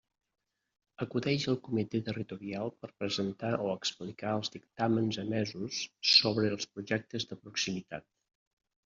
Acudeix al Comitè Territorial per presentar o explicar els dictàmens emesos sobre els projectes de proximitat.